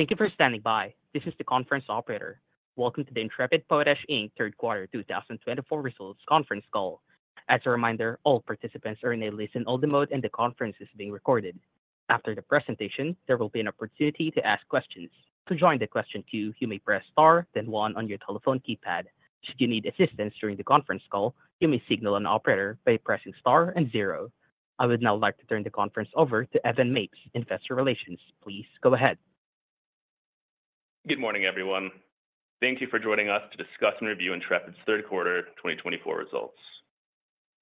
Thank you for standing by. This is the conference operator. Welcome to the Intrepid Potash Inc Q3 2024 results conference call. As a reminder, all participants are in a listen-only mode, and the conference is being recorded. After the presentation, there will be an opportunity to ask questions. To join the question queue, you may press * then 1 on your telephone keypad. Should you need assistance during the conference call, you may signal an operator by pressing * and 0. I would now like to turn the conference over to Evan Mapes, Investor Relations. Please go ahead. Good morning, everyone. Thank you for joining us to discuss and review Intrepid's Q3 2024 results.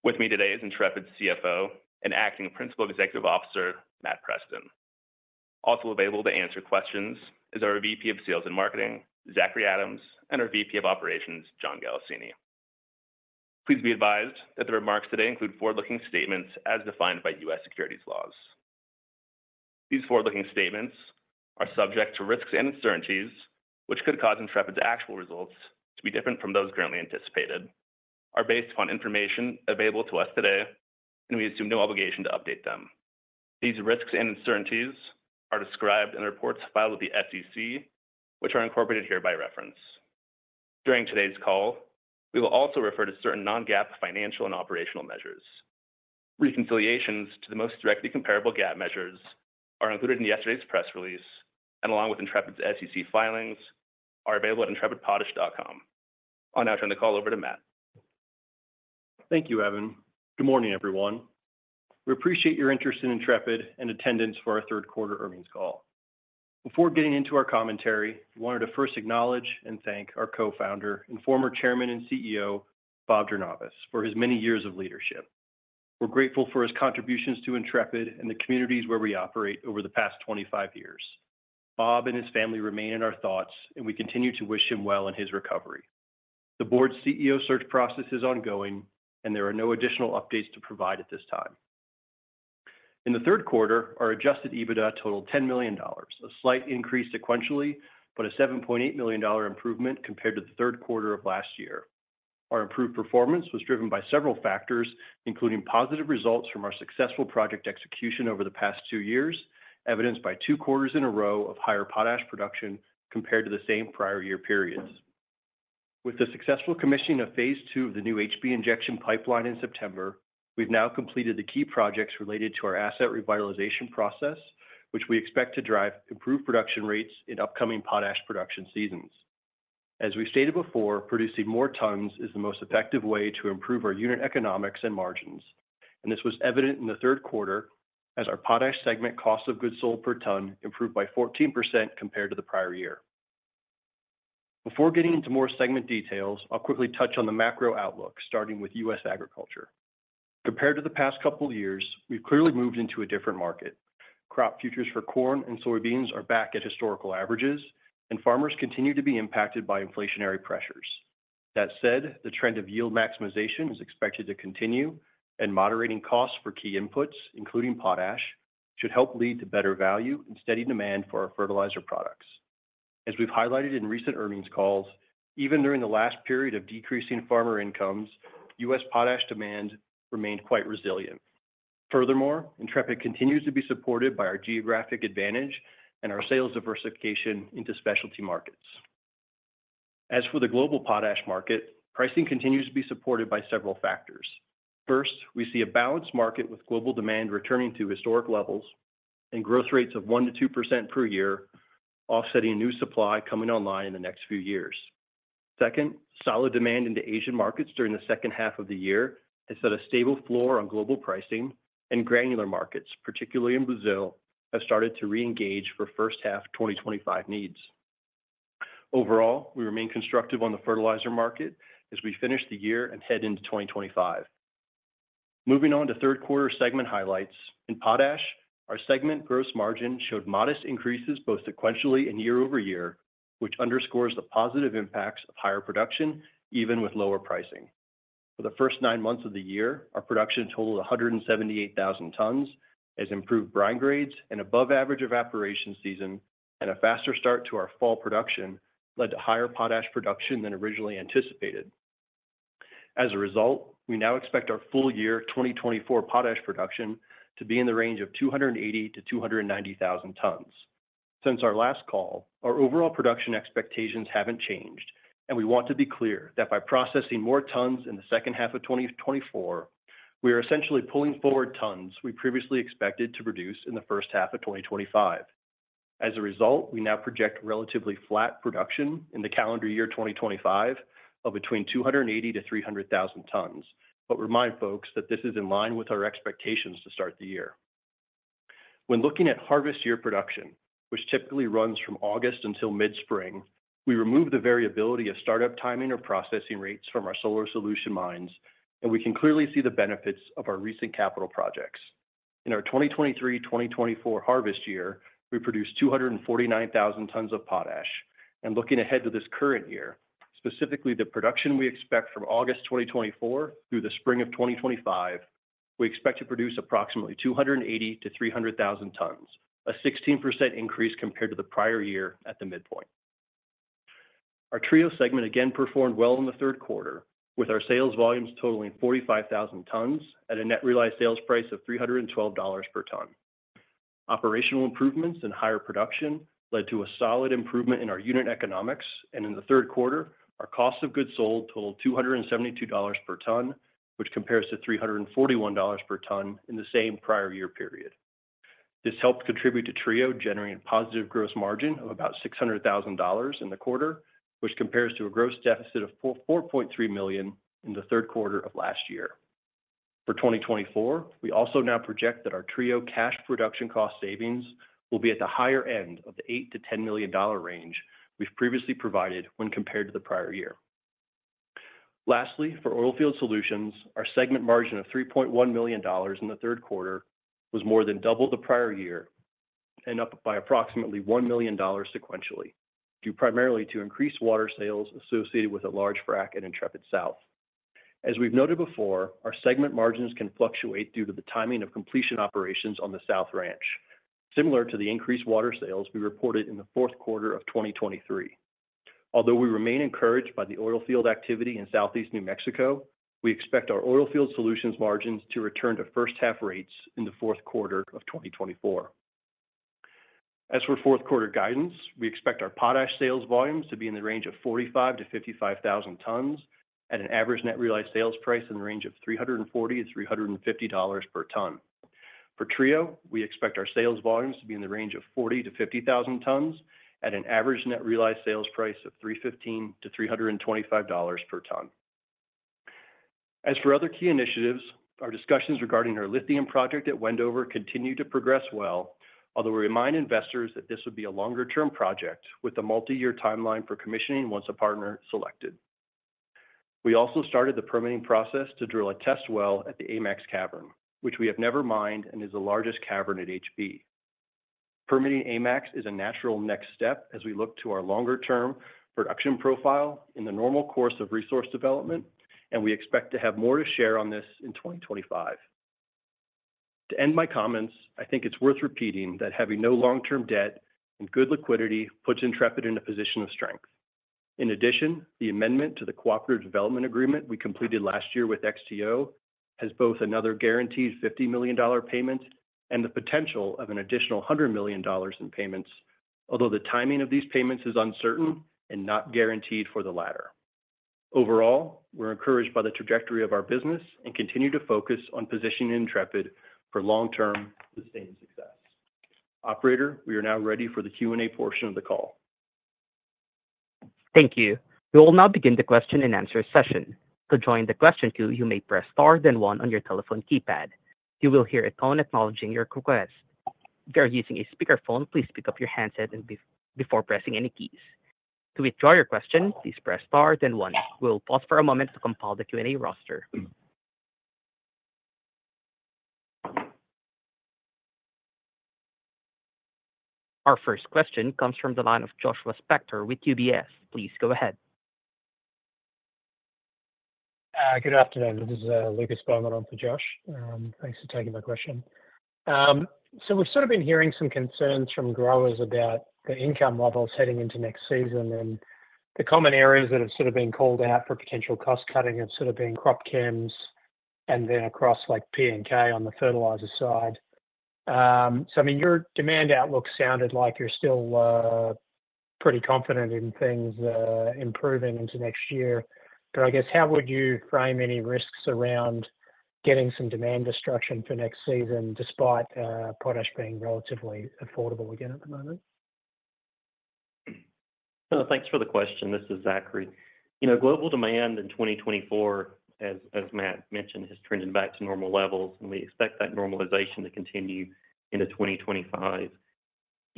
With me today is Intrepid's CFO and Acting Principal Executive Officer, Matt Preston. Also available to answer questions is our VP of Sales and Marketing, Zachry Adams, and our VP of Operations, John Galassini. Please be advised that the remarks today include forward-looking statements as defined by US securities laws. These forward-looking statements are subject to risks and uncertainties, which could cause Intrepid's actual results to be different from those currently anticipated, are based upon information available to us today, and we assume no obligation to update them. These risks and uncertainties are described in reports filed with the SEC, which are incorporated here by reference. During today's call, we will also refer to certain non-GAAP financial and operational measures. Reconciliations to the most directly comparable GAAP measures are included in yesterday's press release and, along with Intrepid's SEC filings, are available at intrepidpotash.com. I'll now turn the call over to Matt. Thank you, Evan. Good morning, everyone. We appreciate your interest in Intrepid and attendance for our Q3 earnings call. Before getting into our commentary, we wanted to first acknowledge and thank our co-founder and former Chairman and CEO, Bob Jornayvaz, for his many years of leadership. We're grateful for his contributions to Intrepid and the communities where we operate over the past 25 years. Bob and his family remain in our thoughts, and we continue to wish him well in his recovery. The board's CEO search process is ongoing, and there are no additional updates to provide at this time. In Q3, our Adjusted EBITDA totaled $10 million, a slight increase sequentially, but a $7.8 million improvement compared to Q3 of last year. Our improved performance was driven by several factors, including positive results from our successful project execution over the past two years, evidenced by two quarters in a row of higher potash production compared to the same prior year periods. With the successful commissioning of Phase II of the new HB injection pipeline in September, we've now completed the key projects related to our asset revitalization process, which we expect to drive improved production rates in upcoming potash production seasons. As we stated before, producing more tons is the most effective way to improve our unit economics and margins, and this was evident in Q3 as our potash segment cost of goods sold per ton improved by 14% compared to the prior year. Before getting into more segment details, I'll quickly touch on the macro outlook, starting with US agriculture. Compared to the past couple of years, we've clearly moved into a different market. Crop futures for corn and soybeans are back at historical averages, and farmers continue to be impacted by inflationary pressures. That said, the trend of yield maximization is expected to continue, and moderating costs for key inputs, including potash, should help lead to better value and steady demand for our fertilizer products. As we've highlighted in recent earnings calls, even during the last period of decreasing farmer incomes, US potash demand remained quite resilient. Furthermore, Intrepid continues to be supported by our geographic advantage and our sales diversification into specialty markets. As for the global potash market, pricing continues to be supported by several factors. First, we see a balanced market with global demand returning to historic levels and growth rates of 1%-2% per year, offsetting new supply coming online in the next few years. Second, solid demand into Asian markets during the second half of the year has set a stable floor on global pricing, and granular markets, particularly in Brazil, have started to reengage for first-half 2025 needs. Overall, we remain constructive on the fertilizer market as we finish the year and head into 2025. Moving on to Q3 segment highlights, in potash, our segment gross margin showed modest increases both sequentially and year-over-year, which underscores the positive impacts of higher production, even with lower pricing. For the first nine months of the year, our production totaled 178,000 tons, as improved brine grades, an above-average evaporation season, and a faster start to our fall production led to higher potash production than originally anticipated. As a result, we now expect our full-year 2024 potash production to be in the range of 280,000-290,000 tons. Since our last call, our overall production expectations haven't changed, and we want to be clear that by processing more tons in the second half of 2024, we are essentially pulling forward tons we previously expected to produce in the first half of 2025. As a result, we now project relatively flat production in the calendar year 2025 of between 280,000-300,000 tons, but remind folks that this is in line with our expectations to start the year. When looking at harvest year production, which typically runs from August until mid-spring, we remove the variability of startup timing or processing rates from our solar solution mines, and we can clearly see the benefits of our recent capital projects. In our 2023-2024 harvest year, we produced 249,000 tons of potash, and looking ahead to this current year, specifically the production we expect from August 2024 through the spring of 2025, we expect to produce approximately 280,000-300,000 tons, a 16% increase compared to the prior year at the midpoint. Our Trio segment again performed well in Q3, with our sales volumes totaling 45,000 tons at a net realized sales price of $312 per ton. Operational improvements and higher production led to a solid improvement in our unit economics, and in Q3, our cost of goods sold totaled $272 per ton, which compares to $341 per ton in the same prior year period. This helped contribute to Trio generating a positive gross margin of about $600,000 in the quarter, which compares to a gross deficit of $4.3 million in Q3 of last year. For 2024, we also now project that our Trio cash production cost savings will be at the higher end of the $8 million to $10 million range we've previously provided when compared to the prior year. Lastly, for Oilfield Solutions, our segment margin of $3.1 million in Q3 was more than double the prior year and up by approximately $1 million sequentially, due primarily to increased water sales associated with a large frac in Intrepid South. As we've noted before, our segment margins can fluctuate due to the timing of completion operations on the South Ranch, similar to the increased water sales we reported in Q4 of 2023. Although we remain encouraged by the oilfield activity in Southeast New Mexico, we expect our oilfield solutions margins to return to first-half rates in Q4 of 2024. As for Q4 guidance, we expect our potash sales volumes to be in the range of 45,000-55,000 tons at an average net realized sales price in the range of $340,000-$350 per ton. For Trio, we expect our sales volumes to be in the range of 40,000-50,000 tons at an average net realized sales price of $315-$325 per ton. As for other key initiatives, our discussions regarding our lithium project at Wendover continue to progress well, although we remind investors that this would be a longer-term project with a multi-year timeline for commissioning once a partner is selected. We also started the permitting process to drill a test well at the AMAX cavern, which we have never mined and is the largest cavern at HB. Permitting AMAX is a natural next step as we look to our longer-term production profile in the normal course of resource development, and we expect to have more to share on this in 2025. To end my comments, I think it's worth repeating that having no long-term debt and good liquidity puts Intrepid in a position of strength. In addition, the amendment to the cooperative development agreement we completed last year with XTO has both another guaranteed $50 million payment and the potential of an additional $100 million in payments, although the timing of these payments is uncertain and not guaranteed for the latter. Overall, we're encouraged by the trajectory of our business and continue to focus on positioning Intrepid for long-term sustained success. Operator, we are now ready for the Q&A portion of the call. Thank you. We will now begin the question and answer session. To join the question queue, you may press * then 1 on your telephone keypad. You will hear a tone acknowledging your request. If you are using a speakerphone, please pick up your handset before pressing any keys. To withdraw your question, please press * then 1. We will pause for a moment to compile the Q&A roster. Our first question comes from the line of Joshua Spector with UBS. Please go ahead. Good afternoon. This is Lucas Beaumont for Josh. Thanks for taking my question. So we've sort of been hearing some concerns from growers about the income levels heading into next season, and the common areas that have sort of been called out for potential cost cutting have sort of been crop chems and then across like P&K on the fertilizer side. So I mean, your demand outlook sounded like you're still pretty confident in things improving into next year, but I guess how would you frame any risks around getting some demand destruction for next season despite potash being relatively affordable again at the moment? Thanks for the question. This is Zachary. You know, global demand in 2024, as Matt mentioned, has trended back to normal levels, and we expect that normalization to continue into 2025.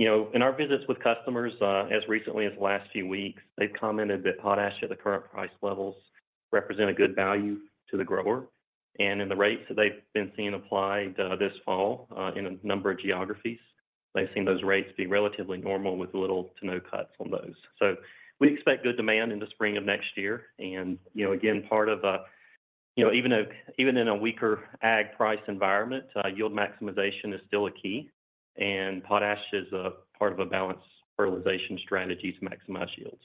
You know, in our visits with customers as recently as the last few weeks, they've commented that potash at the current price levels represent a good value to the grower, and in the rates that they've been seeing applied this fall in a number of geographies, they've seen those rates be relatively normal with little to no cuts on those. So we expect good demand into spring of next year, and you know, again, part of, you know, even in a weaker ag price environment, yield maximization is still a key, and potash is part of a balanced fertilization strategy to maximize yields.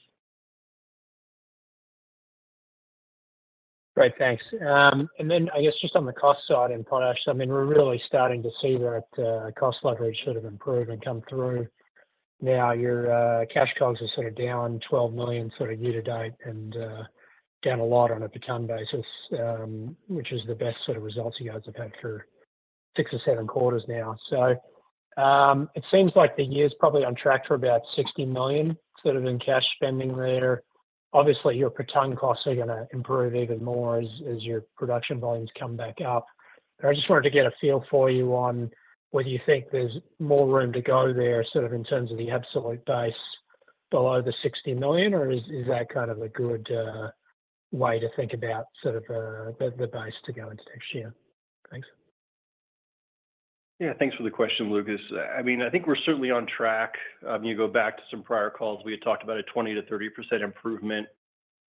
Great. Thanks, and then I guess just on the cost side in potash, I mean, we're really starting to see that cost leverage sort of improve and come through. Now your cash costs are sort of down $12 million sort of year to date and down a lot on a per ton basis, which is the best sort of results you guys have had for six or seven quarters now, so it seems like the year's probably on track for about $60 million sort of in cash spending there. Obviously, your per ton costs are going to improve even more as your production volumes come back up. I just wanted to get a feel for you on whether you think there's more room to go there sort of in terms of the absolute base below the $60 million, or is that kind of a good way to think about sort of the base to go into next year? Thanks. Yeah, thanks for the question, Lucas. I mean, I think we're certainly on track. I mean, you go back to some prior calls, we had talked about a 20%-30% improvement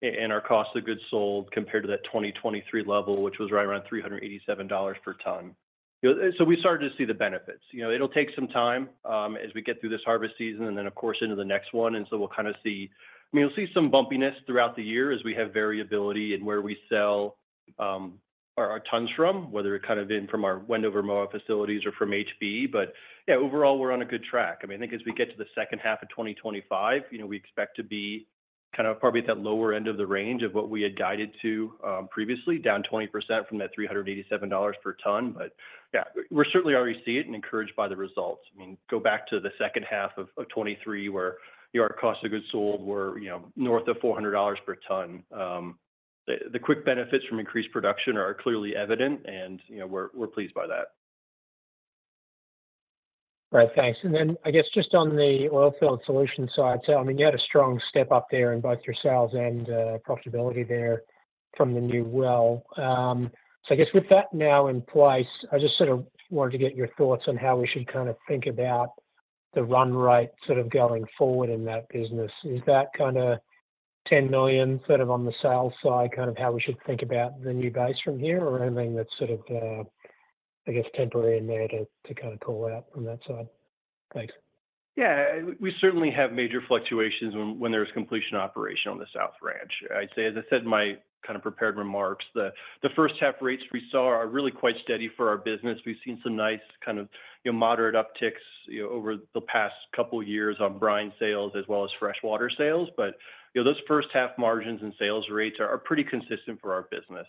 in our cost of goods sold compared to that 2023 level, which was right around $387 per ton. So we started to see the benefits. You know, it'll take some time as we get through this harvest season and then, of course, into the next one, and so we'll kind of see, I mean, we'll see some bumpiness throughout the year as we have variability in where we sell our tons from, whether it kind of in from our Wendover Moab facilities or from HB. But yeah, overall, we're on a good track. I mean, I think as we get to the second half of 2025, you know, we expect to be kind of probably at that lower end of the range of what we had guided to previously, down 20% from that $387 per ton. But yeah, we're certainly already seeing it and encouraged by the results. I mean, go back to the second half of 2023 where our cost of goods sold were, you know, north of $400 per ton. The quick benefits from increased production are clearly evident, and you know, we're pleased by that. Right. Thanks. And then I guess just on the oilfield solution side, so I mean, you had a strong step up there in both your sales and profitability there from the new well. So I guess with that now in place, I just sort of wanted to get your thoughts on how we should kind of think about the run rate sort of going forward in that business. Is that kind of $10 million sort of on the sales side kind of how we should think about the new base from here or anything that's sort of, I guess, temporary in there to kind of call out from that side? Thanks. Yeah, we certainly have major fluctuations when there's completion operation on the South Ranch. I'd say, as I said in my kind of prepared remarks, the first-half rates we saw are really quite steady for our business. We've seen some nice kind of, you know, moderate upticks over the past couple of years on brine sales as well as freshwater sales, but you know, those first-half margins and sales rates are pretty consistent for our business.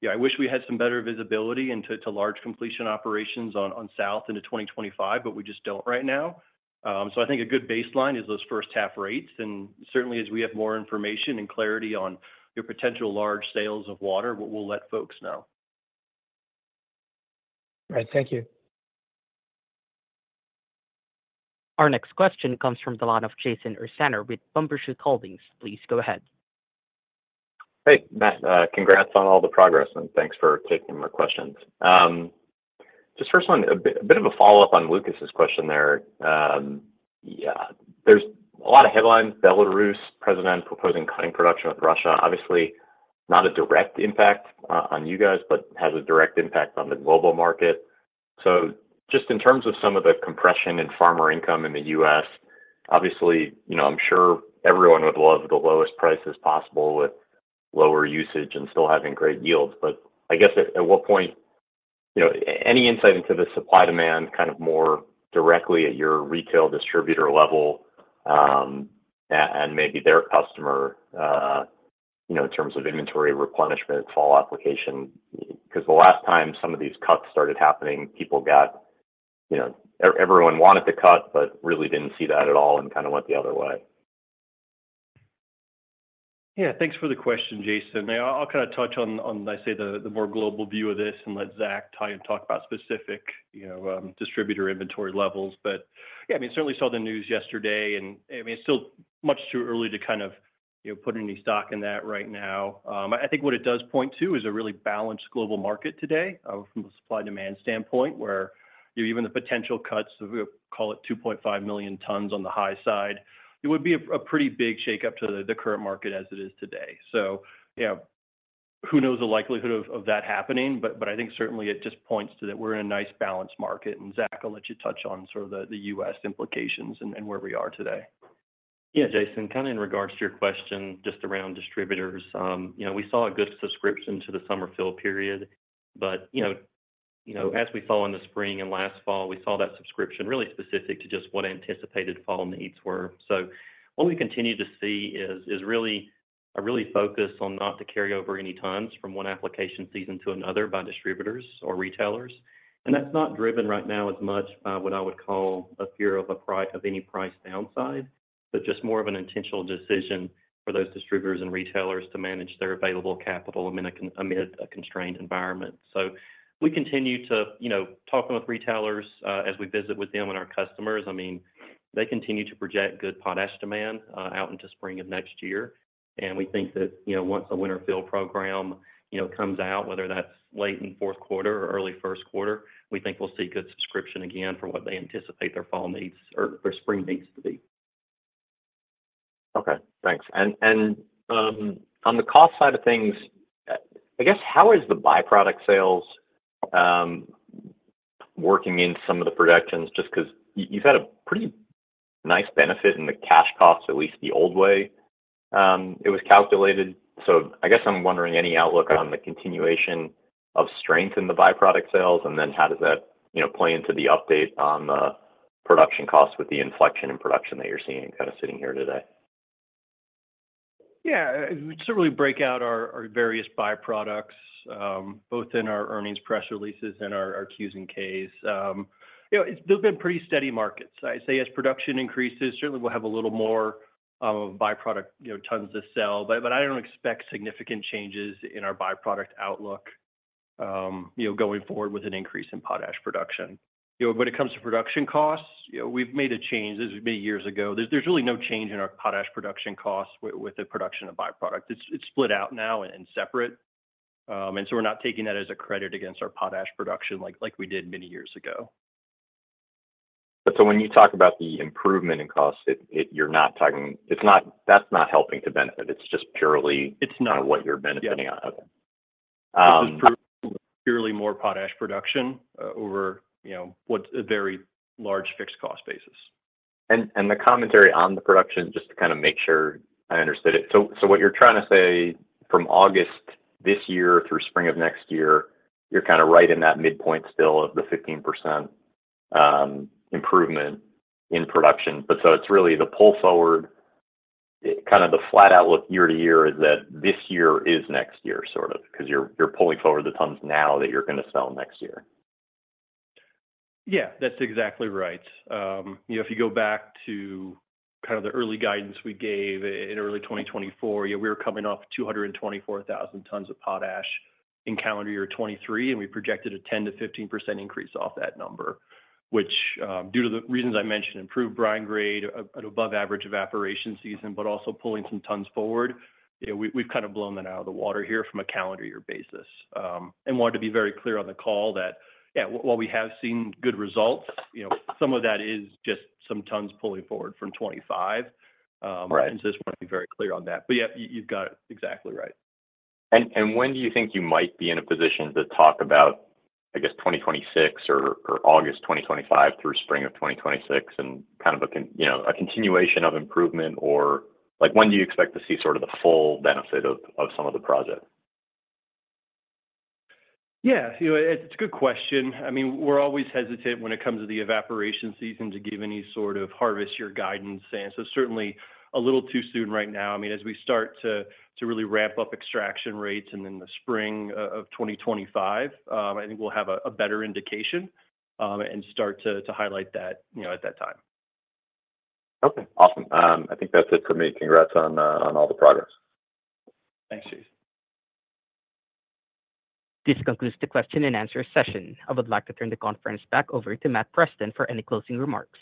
You know, I wish we had some better visibility into large completion operations on South into 2025, but we just don't right now. So I think a good baseline is those first-half rates, and certainly as we have more information and clarity on your potential large sales of water, we'll let folks know. Right. Thank you. Our next question comes from the line of Jason Ursaner with Bumbershoot Holdings. Please go ahead. Hey, Matt, congrats on all the progress, and thanks for taking my questions. Just first one, a bit of a follow-up on Lucas's question there. Yeah, there's a lot of headlines. Belarus's president proposing cutting production with Russia, obviously not a direct impact on you guys, but has a direct impact on the global market. So just in terms of some of the compression in farmer income in the US, obviously, you know, I'm sure everyone would love the lowest prices possible with lower usage and still having great yields, but I guess at what point, you know, any insight into the supply demand kind of more directly at your retail distributor level and maybe their customer, you know, in terms of inventory replenishment, fall application, because the last time some of these cuts started happening, people got, you know, everyone wanted to cut but really didn't see that at all and kind of went the other way. Yeah, thanks for the question, Jason. I'll kind of touch on, I say, the more global view of this and let Zach talk about specific, you know, distributor inventory levels. But yeah, I mean, certainly saw the news yesterday, and I mean, it's still much too early to kind of, you know, put any stock in that right now. I think what it does point to is a really balanced global market today from the supply-demand standpoint, where even the potential cuts of, call it, 2.5 million tons on the high side, it would be a pretty big shakeup to the current market as it is today. So yeah, who knows the likelihood of that happening, but I think certainly it just points to that we're in a nice balanced market, and Zach, I'll let you touch on sort of the US implications and where we are today. Yeah, Jason, kind of in regards to your question just around distributors, you know, we saw a good subscription to the summer fill period, but you know, you know, as we saw in the spring and last fall, we saw that subscription really specific to just what anticipated fall needs were. So what we continue to see is really a focus on not to carry over any tons from one application season to another by distributors or retailers, and that's not driven right now as much by what I would call a fear of a price of any price downside, but just more of an intentional decision for those distributors and retailers to manage their available capital amid a constrained environment. So we continue to, you know, talk with retailers as we visit with them and our customers.I mean, they continue to project good potash demand out into spring of next year, and we think that, you know, once a winter fill program, you know, comes out, whether that's late in fourth quarter or early first quarter, we think we'll see good subscription again for what they anticipate their fall needs or their spring needs to be. Okay. Thanks. And on the cost side of things, I guess how is the byproduct sales working in some of the projections? Just because you've had a pretty nice benefit in the cash costs, at least the old way it was calculated. So I guess I'm wondering any outlook on the continuation of strength in the byproduct sales, and then how does that, you know, play into the update on the production costs with the inflection in production that you're seeing kind of sitting here today? Yeah, we certainly break out our various byproducts both in our earnings press releases and our Qs and Ks. You know, they've been pretty steady markets. I'd say as production increases, certainly we'll have a little more of a byproduct, you know, tons to sell, but I don't expect significant changes in our byproduct outlook, you know, going forward with an increase in potash production. You know, when it comes to production costs, you know, we've made a change as we made years ago. There's really no change in our potash production costs with the production of byproducts. It's split out now and separate, and so we're not taking that as a credit against our potash production like we did many years ago. So when you talk about the improvement in costs, that's not helping to benefit. It's just purely. It's not. What you're benefiting out of. It's just purely more potash production over, you know, what's a very large fixed cost basis. The commentary on the production, just to kind of make sure I understood it, so what you're trying to say from August this year through spring of next year, you're kind of right in that midpoint still of the 15% improvement in production, but so it's really the pull forward, kind of the flat outlook year to year is that this year is next year sort of because you're pulling forward the tons now that you're going to sell next year. Yeah, that's exactly right. You know, if you go back to kind of the early guidance we gave in early 2024, you know, we were coming off 224,000 tons of potash in calendar year 2023, and we projected a 10%-15% increase off that number, which due to the reasons I mentioned, improved brine grade, an above-average evaporation season, but also pulling some tons forward, you know, we've kind of blown that out of the water here from a calendar year basis and wanted to be very clear on the call that, yeah, while we have seen good results, you know, some of that is just some tons pulling forward from 2025. Right. And so just wanted to be very clear on that. But yeah, you've got it exactly right. When do you think you might be in a position to talk about, I guess, 2026 or August 2025 through spring of 2026 and kind of a, you know, a continuation of improvement or like when do you expect to see sort of the full benefit of some of the project? Yeah, you know, it's a good question. I mean, we're always hesitant when it comes to the evaporation season to give any sort of harvest year guidance, and so certainly a little too soon right now. I mean, as we start to really ramp up extraction rates and in the spring of 2025, I think we'll have a better indication and start to highlight that, you know, at that time. Okay. Awesome. I think that's it for me. Congrats on all the progress. Thanks, Jason. This concludes the question and answer session. I would like to turn the conference back over to Matt Preston for any closing remarks.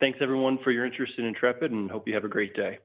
Thanks, everyone, for your interest in Intrepid, and hope you have a great day.